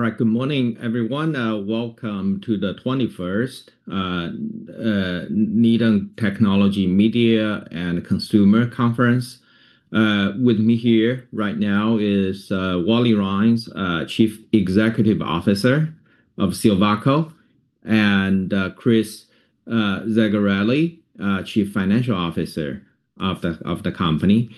All right. Good morning, everyone. Welcome to the 21st Needham Technology Media and Consumer Conference. With me here right now is Wally Rhines, Chief Executive Officer of Silvaco, and Chris Zegarelli, Chief Financial Officer of the company.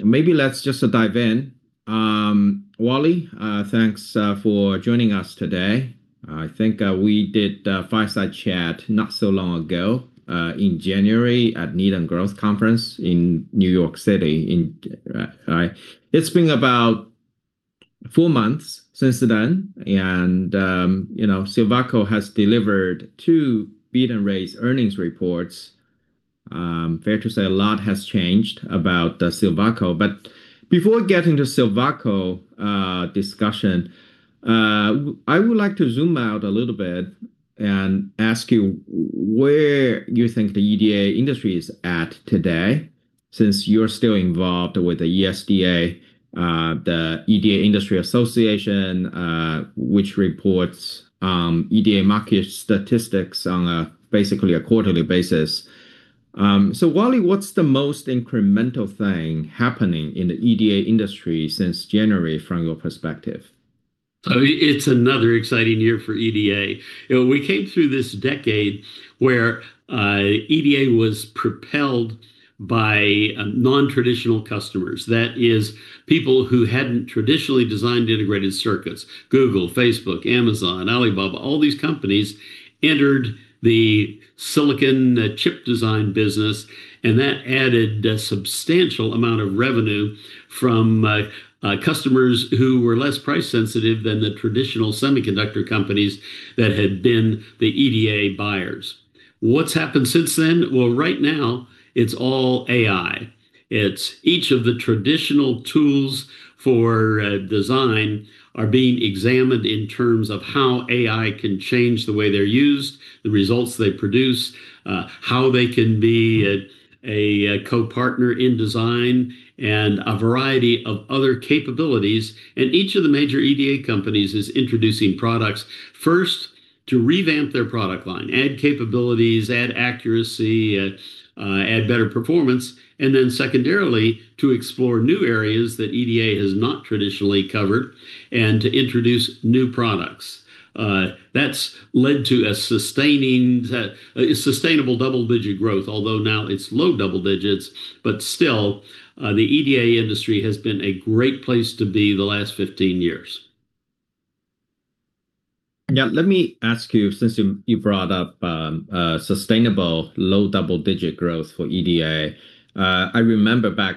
Maybe let's just dive in. Wally, thanks for joining us today. I think we did a fireside chat not so long ago in January at Needham Growth Conference in New York City, N.Y. It's been about four months since then and, you know, Silvaco has delivered two beat and raise earnings reports. Fair to say a lot has changed about Silvaco. Before we get into Silvaco discussion, I would like to zoom out a little bit and ask you where you think the EDA industry is at today, since you're still involved with the ESD Alliance, the EDA Industry Association, which reports EDA market statistics on a basically quarterly basis. Wally, what's the most incremental thing happening in the EDA industry since January, from your perspective? It's another exciting year for EDA. You know, we came through this decade where EDA was propelled by non-traditional customers. That is people who hadn't traditionally designed integrated circuits. Google, Facebook, Amazon, Alibaba, all these companies entered the silicon chip design business, and that added a substantial amount of revenue from customers who were less price sensitive than the traditional semiconductor companies that had been the EDA buyers. What's happened since then? Well, right now it's all AI. It's each of the traditional tools for design are being examined in terms of how AI can change the way they're used, the results they produce, how they can be a co-partner in design, and a variety of other capabilities. Each of the major EDA companies is introducing products first to revamp their product line, add capabilities, add accuracy, add better performance, and then secondarily, to explore new areas that EDA has not traditionally covered and to introduce new products. That's led to a sustainable double-digit growth, although now it's low double digits, but still, the EDA industry has been a great place to be the last 15 years. Let me ask you, since you brought up sustainable low double-digit growth for EDA. I remember back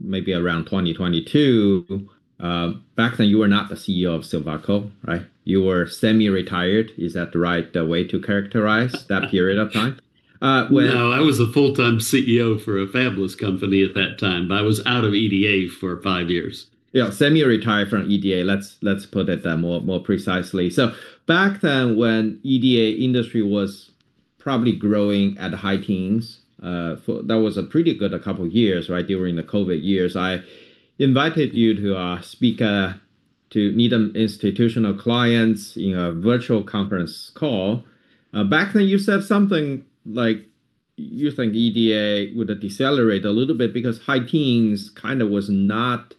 maybe around 2022, back then you were not the CEO of Silvaco, right? You were semi-retired. Is that the right way to characterize that period of time? No, I was a full-time CEO for a fabless company at that time, but I was out of EDA for five years. Yeah, semi-retired from EDA, let's put it that more precisely. Back then when EDA industry was probably growing at high teens, that was a pretty good couple years, right? During the COVID years. I invited you to speak to Needham institutional clients in a virtual conference call. Back then you said something like you think EDA would decelerate a little bit because high teens kind of was not,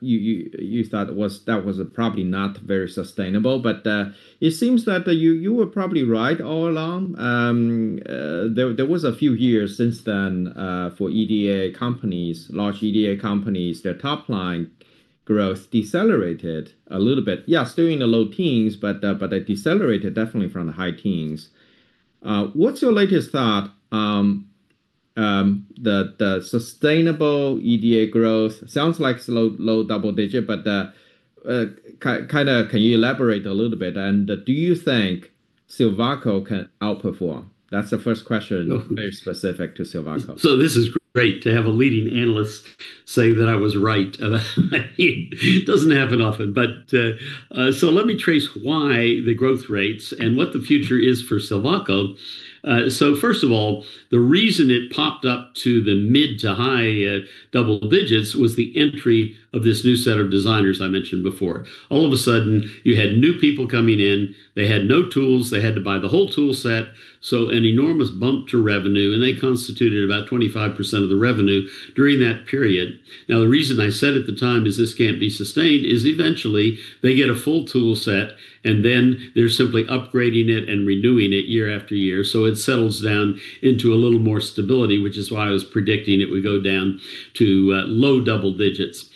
you thought that was probably not very sustainable. It seems that you were probably right all along. There was a few years since then for EDA companies, large EDA companies, their top line growth decelerated a little bit. Yes, still in the low teens, but they decelerated definitely from the high teens. What's your latest thought, the sustainable EDA growth sounds like it's low, low double digit, kinda can you elaborate a little bit and do you think Silvaco can outperform? That's the first question very specific to Silvaco. This is great to have a leading analyst say that I was right. It doesn't happen often. Let me trace why the growth rates and what the future is for Silvaco. First of all, the reason it popped up to the mid to high double digits was the entry of this new set of designers I mentioned before. All of a sudden, you had new people coming in. They had no tools. They had to buy the whole tool set, so an enormous bump to revenue, and they constituted about 25% of the revenue during that period. The reason I said at the time is this can't be sustained is eventually they get a full tool set, and then they're simply upgrading it and renewing it year after year, so it settles down into a little more stability, which is why I was predicting it would go down to low double digits.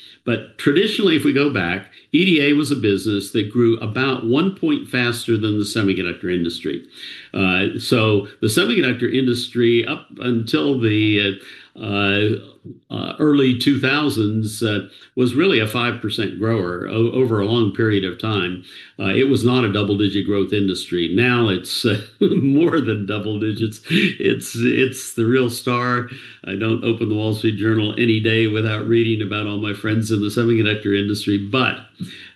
Traditionally, if we go back, EDA was a business that grew about 1 point faster than the semiconductor industry. The semiconductor industry, up until the early 2000s, was really a 5% grower over a long period of time. It was not a double-digit growth industry. It's more than double digits. It's the real star. I don't open The Wall Street Journal any day without reading about all my friends in the semiconductor industry. We're,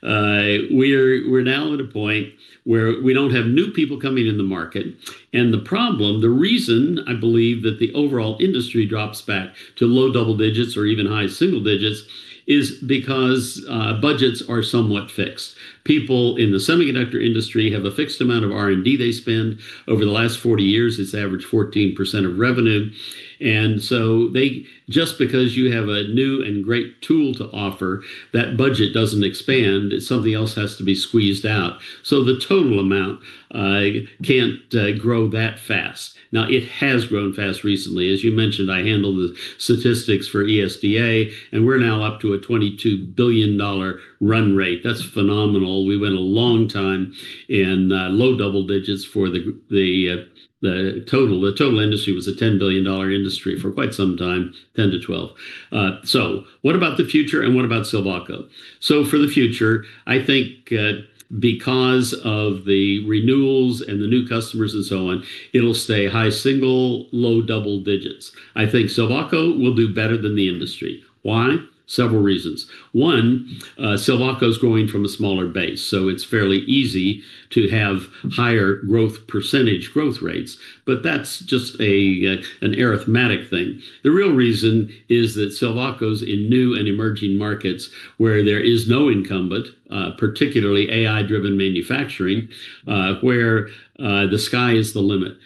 we're now at a point where we don't have new people coming in the market, and the problem, the reason I believe that the overall industry drops back to low double digits or even high single digits, is because budgets are somewhat fixed. People in the semiconductor industry have a fixed amount of R&D they spend. Over the last 40 years, it's averaged 14% of revenue. Just because you have a new and great tool to offer, that budget doesn't expand. Something else has to be squeezed out. The total amount can't grow that fast. Now, it has grown fast recently. As you mentioned, I handle the statistics for ESDA, and we're now up to a $22 billion run rate. That's phenomenal. We went a long time in low double digits for the total. The total industry was a $10 billion industry for quite some time, $10 billion to $12 billion. What about the future, and what about Silvaco? For the future, I think, because of the renewals and the new customers and so on, it'll stay high single, low double digits. I think Silvaco will do better than the industry. Why? Several reasons. One, Silvaco's growing from a smaller base, it's fairly easy to have higher growth percentage growth rates, but that's just an arithmetic thing. The real reason is that Silvaco's in new and emerging markets where there is no incumbent, particularly AI-driven manufacturing, where the sky is the limit.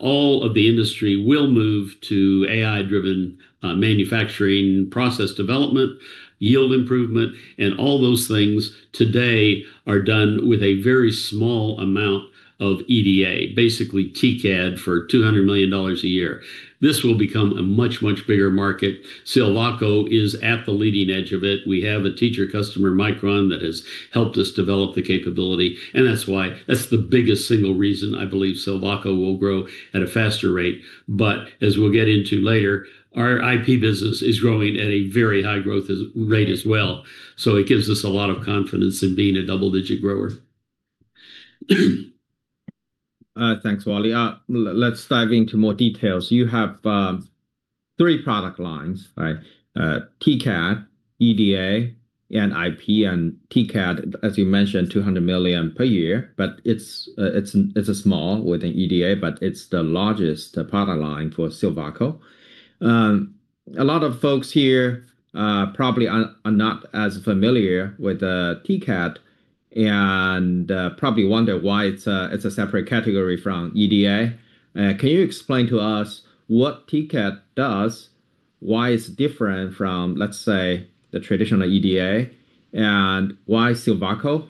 All of the industry will move to AI-driven manufacturing process development, yield improvement, and all those things today are done with a very small amount of EDA, basically TCAD for $200 million a year. This will become a much, much bigger market. Silvaco is at the leading edge of it. We have a teacher customer, Micron, that has helped us develop the capability, and that's the biggest single reason I believe Silvaco will grow at a faster rate. As we'll get into later, our IP business is growing at a very high growth rate as well, so it gives us a lot of confidence in being a double-digit grower. Thanks, Wally. Let's dive into more details. You have three product lines, right? TCAD, EDA, and IP. TCAD, as you mentioned, $200 million per year, but it's a small within EDA, but it's the largest product line for Silvaco. A lot of folks here probably are not as familiar with TCAD and probably wonder why it's a separate category from EDA. Can you explain to us what TCAD does, why it's different from, let's say, the traditional EDA, and why Silvaco,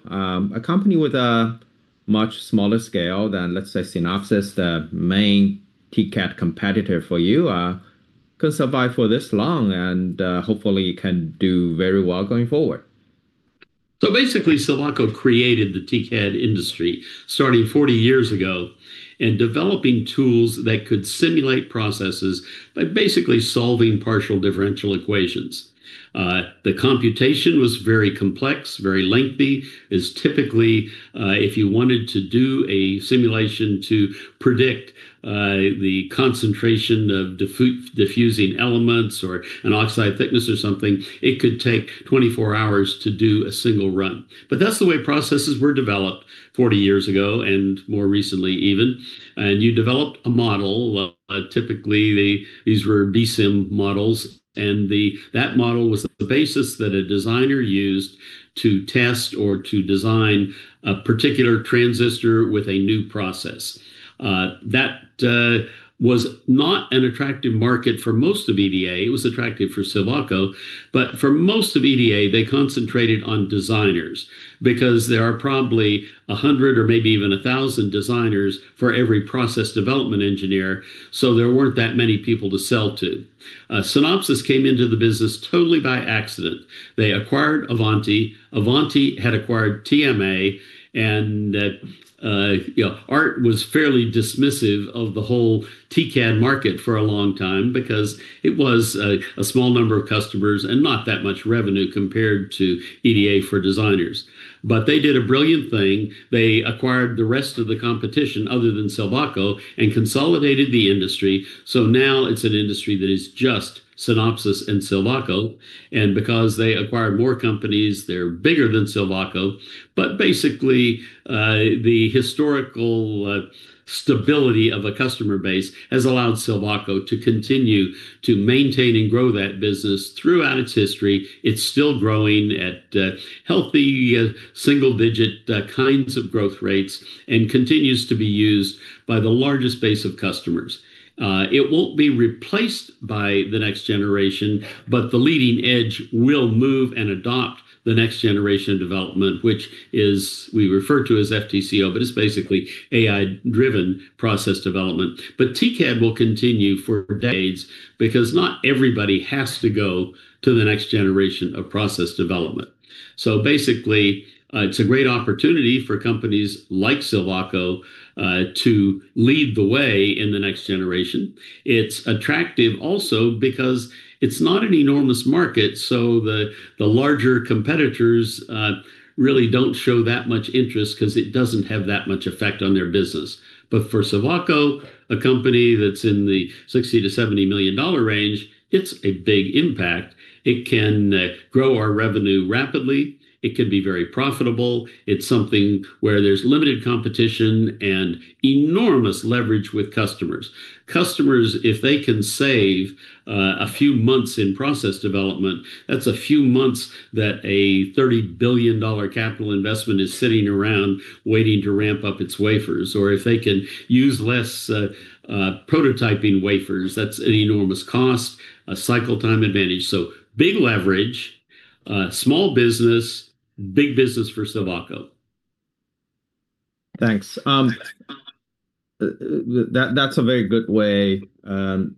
a company with a much smaller scale than, let's say, Synopsys, the main TCAD competitor for you, can survive for this long and hopefully can do very well going forward? Basically Silvaco created the TCAD industry starting 40 years ago, and developing tools that could simulate processes by basically solving partial differential equations. The computation was very complex, very lengthy, as typically, if you wanted to do a simulation to predict, the concentration of diffusing elements or an oxide thickness or something, it could take 24 hours to do a one single run. That's the way processes were developed 40 years ago, and more recently even. You developed a model, typically these were BSIM models, and that model was the basis that a designer used to test or to design a particular transistor with a new process. That was not an attractive market for most of EDA. It was attractive for Silvaco. For most of EDA, they concentrated on designers, because there are probably 100 or maybe even 1,000 designers for every process development engineer, so there weren't that many people to sell to. Synopsys came into the business totally by accident. They acquired Avanti had acquired TMA, and, you know, Aart de Geus was fairly dismissive of the whole TCAD market for a long time because it was a small number of customers and not that much revenue compared to EDA for designers. They did a brilliant thing. They acquired the rest of the competition, other than Silvaco, and consolidated the industry, so now it's an industry that is just Synopsys and Silvaco. Because they acquired more companies, they're bigger than Silvaco. Basically, the historical stability of a customer base has allowed Silvaco to continue to maintain and grow that business throughout its history. It's still growing at healthy, single-digit kinds of growth rates, and continues to be used by the largest base of customers. It won't be replaced by the next generation, but the leading edge will move and adopt the next generation development, which is, we refer to as FTCO, but it's basically AI-driven process development. TCAD will continue for decades because not everybody has to go to the next generation of process development. Basically, it's a great opportunity for companies like Silvaco to lead the way in the next generation. It's attractive also because it's not an enormous market. The, the larger competitors really don't show that much interest 'cause it doesn't have that much effect on their business. For Silvaco, a company that's in the $60 million-$70 million range, it's a big impact. It can grow our revenue rapidly, it can be very profitable. It's something where there's limited competition and enormous leverage with customers. Customers, if they can save a few months in process development, that's a few months that a $30 billion capital investment is sitting around waiting to ramp up its wafers. If they can use less prototyping wafers, that's an enormous cost, a cycle time advantage. Big leverage, small business, big business for Silvaco. Thanks. That, that's a very good way, I mean,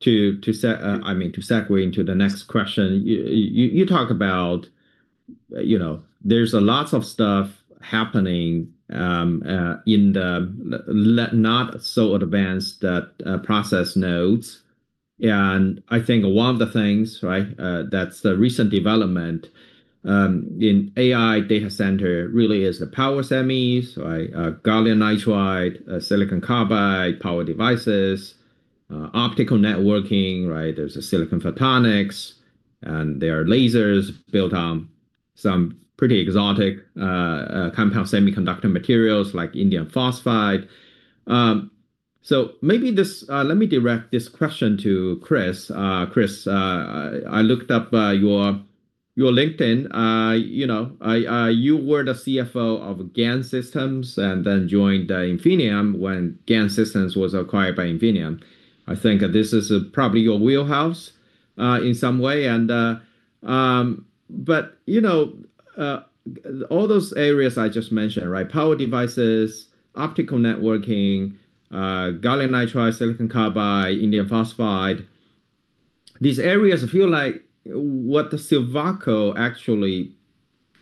to segue into the next question. You talk about, you know, there's a lots of stuff happening in the not so advanced process nodes. I think one of the things, right, that's the recent development in AI data center really is the power semis, right, gallium nitride, silicon carbide power devices, optical networking, right? There's the silicon photonics, and there are lasers built on some pretty exotic compound semiconductor materials like indium phosphide. Maybe this, let me direct this question to Chris. Chris, I looked up your LinkedIn. You know, you were the CFO of GaN Systems and then joined Infineon when GaN Systems was acquired by Infineon. I think this is probably your wheelhouse in some way. You know, all those areas I just mentioned, right, power devices, optical networking, gallium nitride, silicon carbide, indium phosphide, these areas feel like what Silvaco actually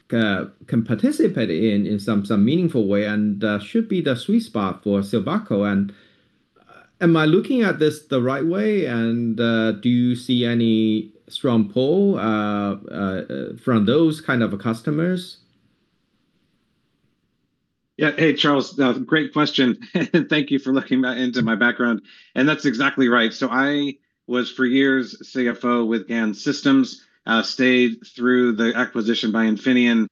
can participate in in some meaningful way and should be the sweet spot for Silvaco. Am I looking at this the right way, and do you see any strong pull from those kind of customers? Hey, Charles. Great question. Thank you for looking back into my background. That's exactly right. I was for years CFO with GaN Systems, stayed through the acquisition by Infineon.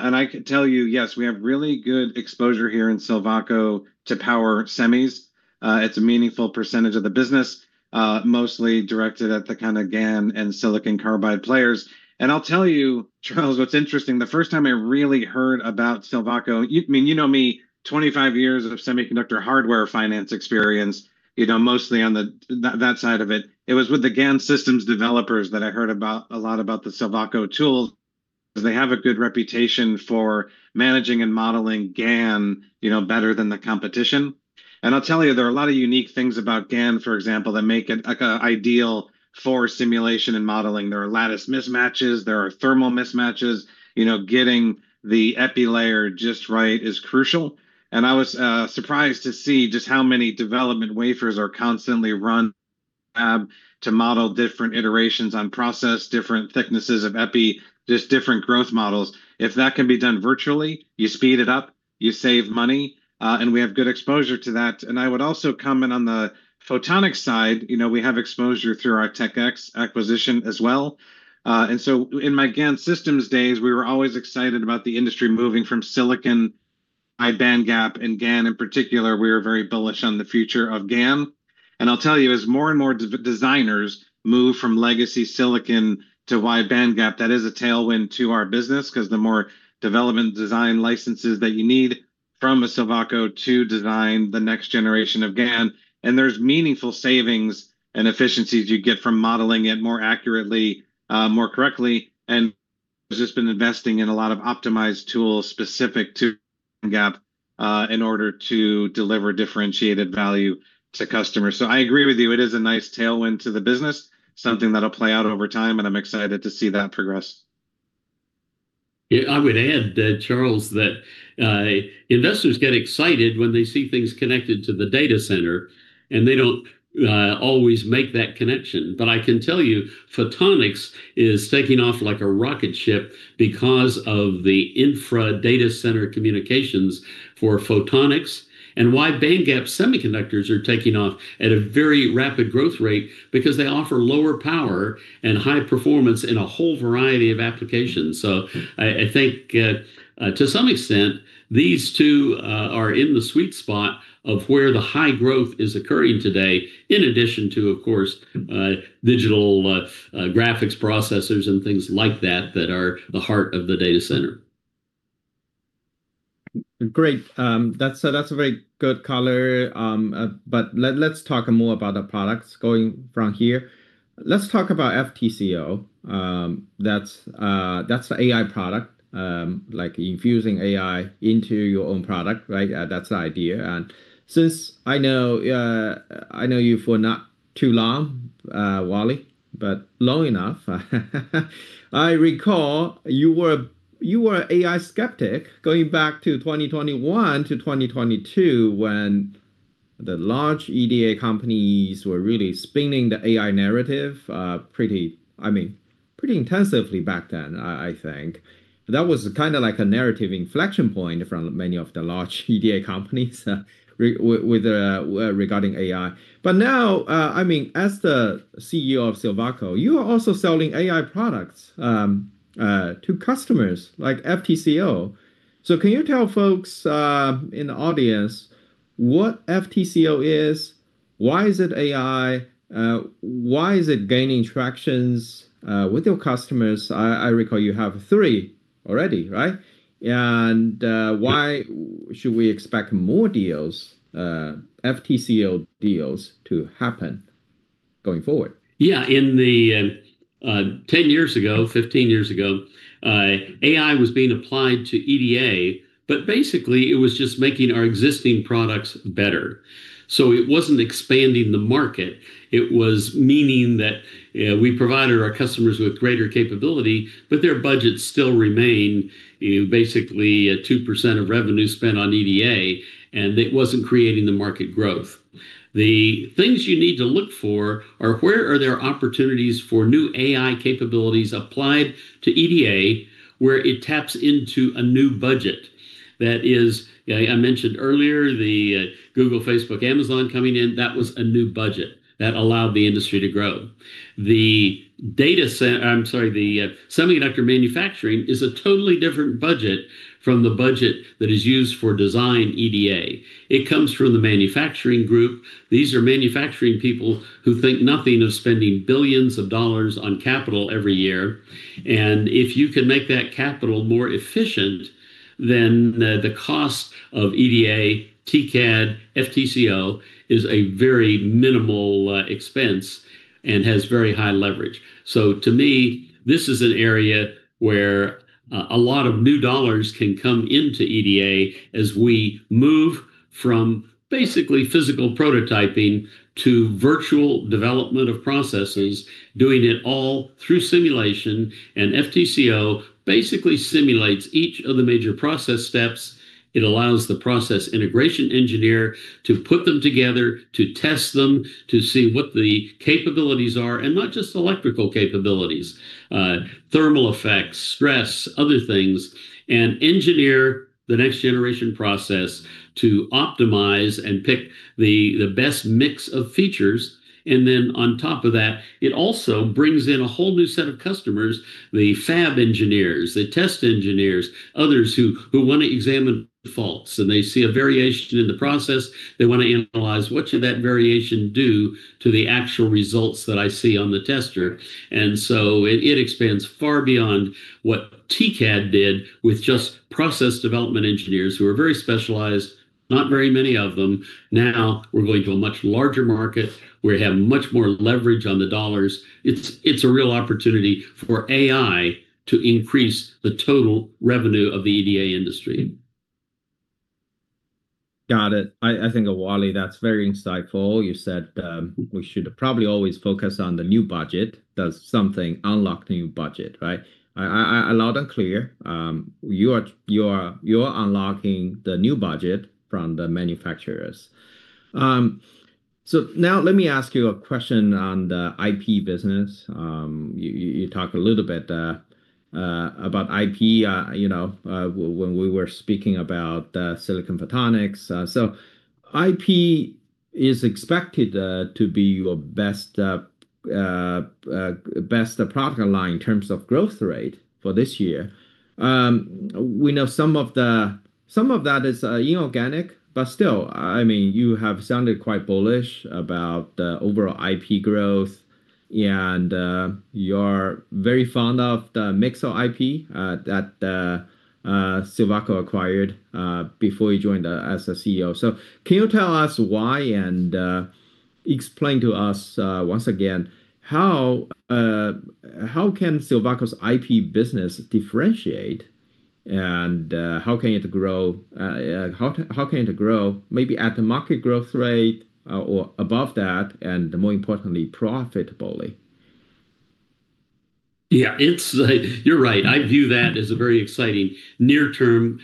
I can tell you, yes, we have really good exposure here in Silvaco to power semis. It's a meaningful percentage of the business, mostly directed at the kind of GaN and silicon carbide players. I'll tell you, Charles, what's interesting, the first time I really heard about Silvaco, I mean, you know me, 25 years of semiconductor hardware finance experience, you know, mostly on that side of it. It was with the GaN Systems developers that I heard about, a lot about the Silvaco tools, 'cause they have a good reputation for managing and modeling GaN, you know, better than the competition. I'll tell you, there are a lot of unique things about GaN, for example, that make it, like, ideal for simulation and modeling. There are lattice mismatches, there are thermal mismatches. You know, getting the epi layer just right is crucial, and I was surprised to see just how many development wafers are constantly run to model different iterations on process, different thicknesses of epi, just different growth models. If that can be done virtually, you speed it up, you save money, we have good exposure to that. I would also comment on the photonic side, you know, we have exposure through our Tech-X acquisition as well. In my GaN Systems days, we were always excited about the industry moving from silicon wide bandgap, and GaN in particular, we are very bullish on the future of GaN. I'll tell you, as more and more designers move from legacy silicon to wide bandgap, that is a tailwind to our business, 'cause the more development design licenses that you need from a Silvaco to design the next generation of GaN, and there's meaningful savings and efficiencies you get from modeling it more accurately, more correctly, and has just been investing in a lot of optimized tools specific to bandgap, in order to deliver differentiated value to customers. I agree with you, it is a nice tailwind to the business, something that'll play out over time, and I'm excited to see that progress. Yeah, I would add that, Charles, that investors get excited when they see things connected to the data center, and they don't always make that connection. I can tell you, photonics is taking off like a rocket ship because of the infra data center communications for photonics, and wide bandgap semiconductors are taking off at a very rapid growth rate because they offer lower power and high performance in a whole variety of applications. I think, to some extent, these two are in the sweet spot of where the high growth is occurring today, in addition to, of course, digital graphics, processors, and things like that are the heart of the data center. Great. That's a very good color. Let's talk more about the products going from here. Let's talk about FTCO. That's the AI product, like infusing AI into your own product, right? That's the idea. Since I know you for not too long, Wally, but long enough, I recall you were AI skeptic going back to 2021 to 2022 when the large EDA companies were really spinning the AI narrative, pretty, I mean, pretty intensively back then, I think. That was kind of like a narrative inflection point from many of the large EDA companies, with regarding AI. Now, I mean, as the CEO of Silvaco, you are also selling AI products to customers like FTCO. Can you tell folks in the audience what FTCO is? Why is it AI? Why is it gaining tractions with your customers? I recall you have three already, right? Yeah Why should we expect more deals, FTCO deals to happen going forward? In the 10 years ago, 15 years ago, AI was being applied to EDA, but basically, it was just making our existing products better. It wasn't expanding the market. It was meaning that we provided our customers with greater capability, but their budgets still remain, you know, basically a 2% of revenue spent on EDA. It wasn't creating the market growth. The things you need to look for are where are there opportunities for new AI capabilities applied to EDA, where it taps into a new budget. I mentioned earlier the Google, Facebook, Amazon coming in, that was a new budget that allowed the industry to grow. The semiconductor manufacturing is a totally different budget from the budget that is used for design EDA. It comes from the manufacturing group. These are manufacturing people who think nothing of spending billions of dollars on capital every year. If you can make that capital more efficient, then the cost of EDA, TCAD, FTCO is a very minimal expense and has very high leverage. To me, this is an area where a lot of new dollars can come into EDA as we move from basically physical prototyping to virtual development of processes, doing it all through simulation. FTCO basically simulates each of the major process steps. It allows the process integration engineer to put them together, to test them, to see what the capabilities are, and not just electrical capabilities, thermal effects, stress, other things, and engineer the next generation process to optimize and pick the best mix of features. On top of that, it also brings in a whole new set of customers, the fab engineers, the test engineers, others who wanna examine faults, and they see a variation in the process, they wanna analyze what should that variation do to the actual results that I see on the tester. So it expands far beyond what TCAD did with just process development engineers who are very specialized, not very many of them. Now we're going to a much larger market. We have much more leverage on the dollars. It's a real opportunity for AI to increase the total revenue of the EDA industry. Got it. I think, Wally, that's very insightful. You said, we should probably always focus on the new budget. Does something unlock new budget, right? Loud and clear, you are unlocking the new budget from the manufacturers. Now let me ask you a question on the IP business. You talked a little bit about IP, you know, when we were speaking about silicon photonics. IP is expected to be your best product line in terms of growth rate for this year. We know some of that is inorganic, but still, I mean, you have sounded quite bullish about the overall IP growth. You're very fond of the mix of IP that Silvaco acquired before you joined as a CEO. Can you tell us why, and explain to us once again, how can Silvaco's IP business differentiate, and how can it grow maybe at the market growth rate or above that, and more importantly, profitably? Yeah. It's, you're right. I view that as a very exciting near-term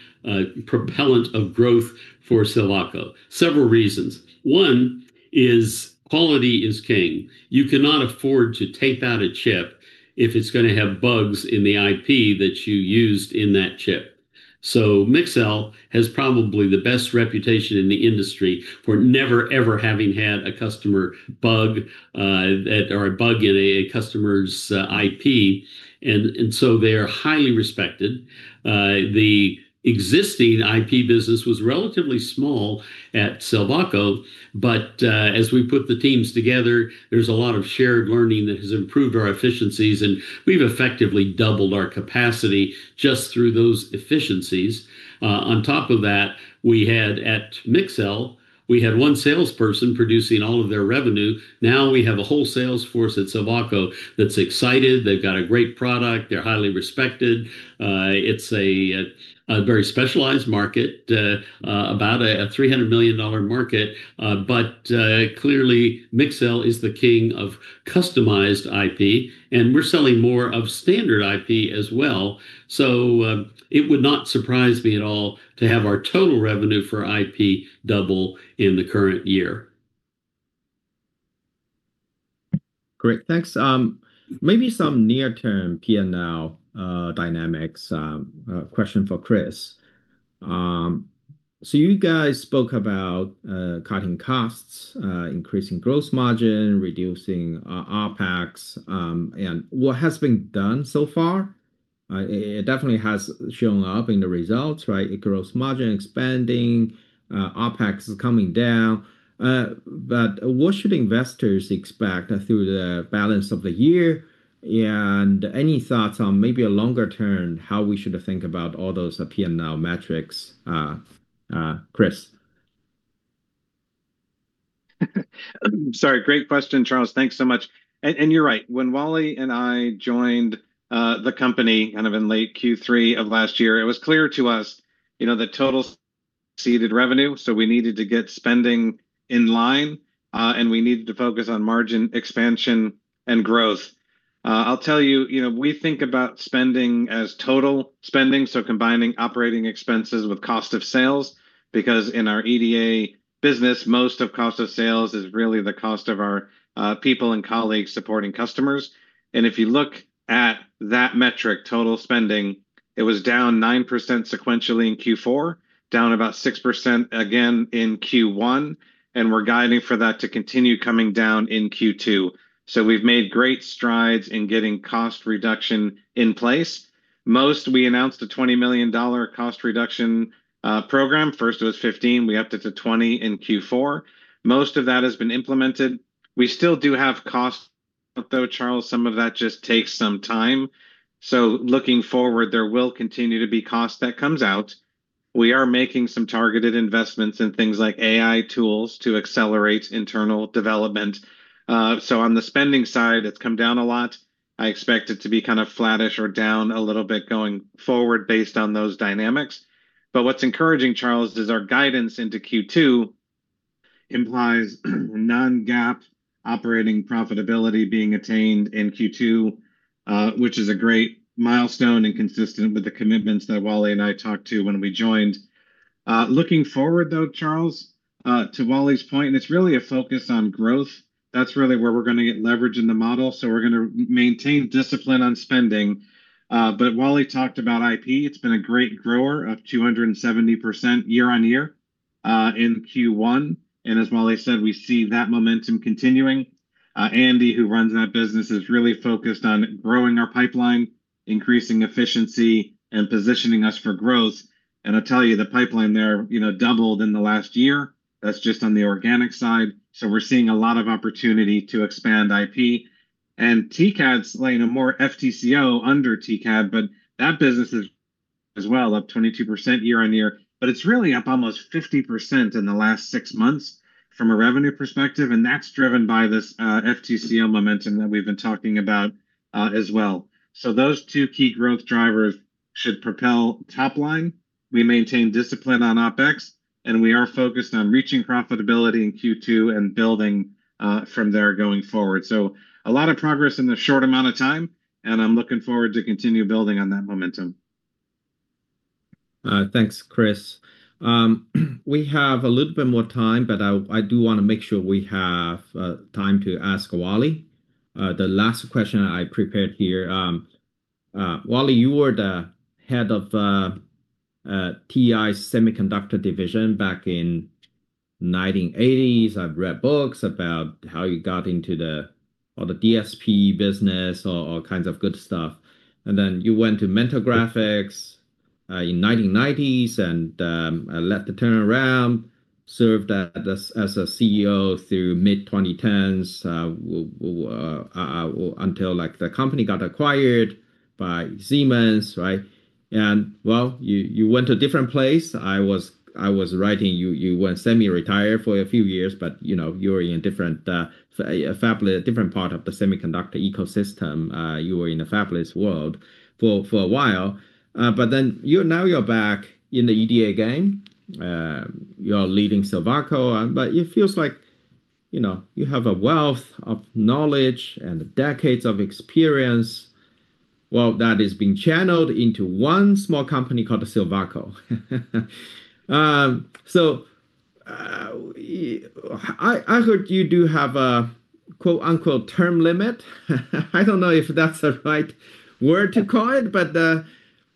propellant of growth for Silvaco. Several reasons. One is quality is king. You cannot afford to take out a chip if it's gonna have bugs in the IP that you used in that chip. Mixel has probably the best reputation in the industry for never, ever having had a customer bug, that or a bug in a customer's IP. They are highly respected. The existing IP business was relatively small at Silvaco, but as we put the teams together, there's a lot of shared learning that has improved our efficiencies, and we've effectively doubled our capacity just through those efficiencies. On top of that, we had, at Mixel, we had one salesperson producing all of their revenue. We have a whole sales force at Silvaco that's excited. They've got a great product. They're highly respected. It's a very specialized market, about a $300 million market. Clearly Mixel is the king of customized IP, and we're selling more of standard IP as well. It would not surprise me at all to have our total revenue for IP double in the current year. Great. Thanks. Maybe some near-term P&L dynamics, question for Chris. You guys spoke about cutting costs, increasing gross margin, reducing OpEx, and what has been done so far. It definitely has shown up in the results, right? The gross margin expanding, OpEx is coming down. What should investors expect through the balance of the year? Any thoughts on maybe a longer term, how we should think about all those P&L metrics, Chris? Sorry. Great question, Charles. Thanks so much. You're right. When Wally and I joined the company kind of in late Q3 of last year, it was clear to us, you know, the total exceeded revenue, so we needed to get spending in line, we needed to focus on margin expansion and growth. I'll tell you know, we think about spending as total spending, so combining operating expenses with cost of sales, because in our EDA business, most of cost of sales is really the cost of our people and colleagues supporting customers. If you look at that metric, total spending, it was down 9% sequentially in Q4, down about 6% again in Q1, we're guiding for that to continue coming down in Q2. We've made great strides in getting cost reduction in place. Most, we announced a $20 million cost reduction program. First it was 15, we upped it to 20 in Q4. Most of that has been implemented. We still do have costs though, Charles. Some of that just takes some time. Looking forward, there will continue to be cost that comes out. We are making some targeted investments in things like AI tools to accelerate internal development. On the spending side, it's come down a lot. I expect it to be kind of flattish or down a little bit going forward based on those dynamics. What's encouraging, Charles, is our guidance into Q2 implies non-GAAP operating profitability being attained in Q2, which is a great milestone and consistent with the commitments that Wally and I talked to when we joined. Looking forward, though, Charles, to Wally's point, it's really a focus on growth. That's really where we're gonna get leverage in the model, so we're gonna maintain discipline on spending. Wally talked about IP. It's been a great grower of 270% year-on-year in Q1. As Wally said, we see that momentum continuing. Andy, who runs that business, is really focused on growing our pipeline, increasing efficiency, and positioning us for growth. I'll tell you, the pipeline there, you know, doubled in the last year. That's just on the organic side. We're seeing a lot of opportunity to expand IP. TCAD's layering more FTCO under TCAD, but that business is, as well, up 22% year-over-year. It's really up almost 50% in the last six months from a revenue perspective, and that's driven by this FTCO momentum that we've been talking about as well. Those two key growth drivers should propel top line. We maintain discipline on OpEx, and we are focused on reaching profitability in Q2 and building from there going forward. A lot of progress in a short amount of time, and I'm looking forward to continue building on that momentum. Thanks, Chris. We have a little bit more time, but I do wanna make sure we have time to ask Wally. The last question I prepared here, Wally, you were the head of TI Semiconductor division back in 1980s. I've read books about how you got into the DSP business or kinds of good stuff. Then you went to Mentor Graphics in 1990s and led the turnaround, served as a CEO through mid-2010s until, like, the company got acquired by Siemens, right? Well, you went a different place. I was writing you went semi-retired for a few years, but, you know, you were in different, a different part of the semiconductor ecosystem. You were in the fabless world for a while. Now you're back in the EDA game, you're leading Silvaco, but it feels like, you know, you have a wealth of knowledge and decades of experience. Well, that is being channeled into one small company called Silvaco. I heard you do have a, quote-unquote, "term limit." I don't know if that's the right word to call it, but,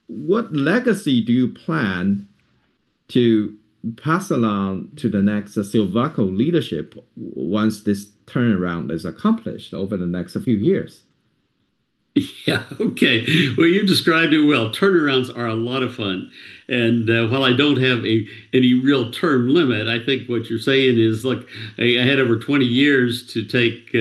what legacy do you plan to pass along to the next Silvaco leadership once this turnaround is accomplished over the next few years? Yeah. Okay. Well, you described it well. Turnarounds are a lot of fun, and, while I don't have any real term limit, I think what you're saying is, look, I had over 20 years to take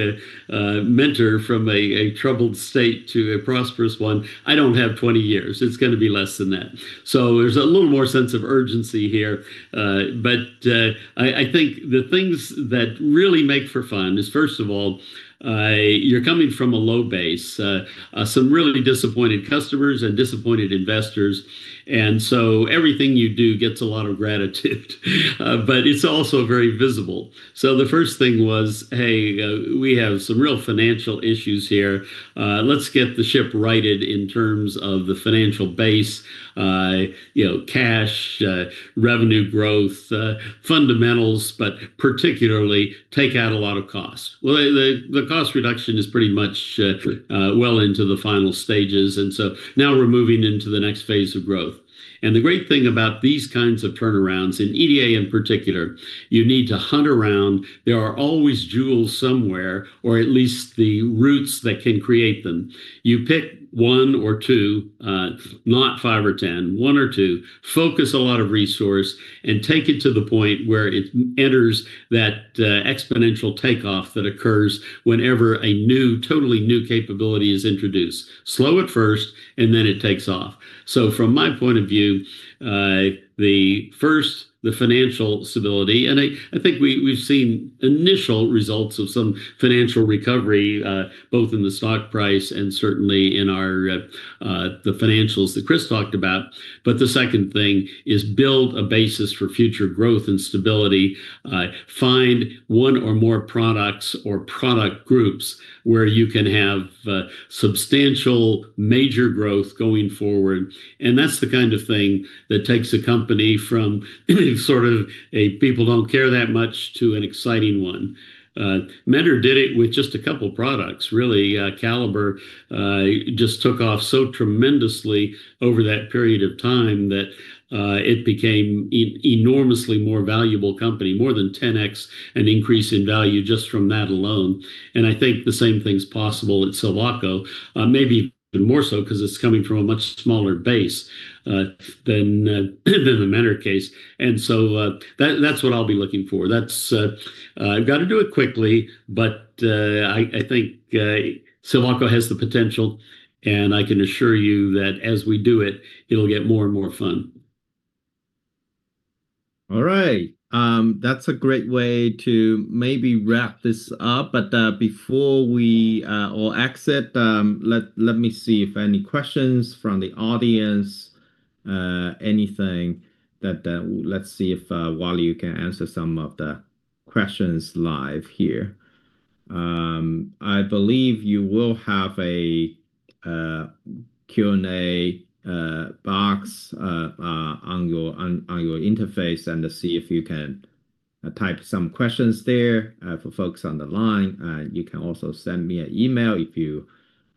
Mentor from a troubled state to a prosperous one. I don't have 20 years. It's gonna be less than that. There's a little more sense of urgency here. I think the things that really make for fun is, first of all, you're coming from a low base, some really disappointed customers and disappointed investors, and everything you do gets a lot of gratitude, but it's also very visible. The first thing was, "Hey, we have some real financial issues here. Let's get the ship righted in terms of the financial base, you know, cash, revenue growth, fundamentals, but particularly take out a lot of costs. The cost reduction is pretty much well into the final stages, and so now we're moving into the next phase of growth. The great thing about these kinds of turnarounds, in EDA in particular, you need to hunt around. There are always jewels somewhere, or at least the roots that can create them. You pick one or two, not five or 10, one or two, focus a lot of resource, and take it to the point where it enters that exponential takeoff that occurs whenever a new, totally new capability is introduced. Slow at first, then it takes off. From my point of view, the first, the financial stability, and I think we've seen initial results of some financial recovery, both in the stock price and certainly in our, the financials that Chris talked about. The second thing is build a basis for future growth and stability. Find one or more products or product groups where you can have substantial major growth going forward, and that's the kind of thing that takes a company from sort of a people don't care that much to an exciting one. Mentor did it with just a couple products, really. Calibre just took off so tremendously over that period of time that it became enormously more valuable company, more than 10x an increase in value just from that alone. I think the same thing's possible at Silvaco, maybe even more so 'cause it's coming from a much smaller base than the Mentor case. That, that's what I'll be looking for. That's, I've gotta do it quickly, but I think Silvaco has the potential, and I can assure you that as we do it'll get more and more fun. All right. That's a great way to maybe wrap this up. Before we all exit, let me see if any questions from the audience, anything that, let's see if Wally, you can answer some of the questions live here. I believe you will have a Q&A box on your interface, and see if you can type some questions there for folks on the line. You can also send me an email if you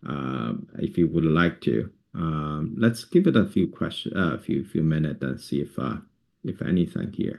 would like to. Let's give it a few minutes and see if anything here.